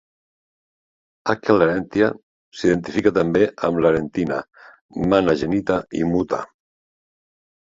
Acca Larentia s'identifica també amb Larentina, Mana Genita i Muta.